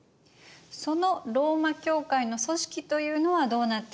そのローマ教会の組織というのはどうなっていたんでしょうか？